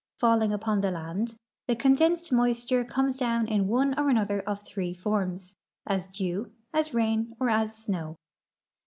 Falling upon the land, the condensed moisture comes down in one or another of three forms — as dew, as rain, or as snow.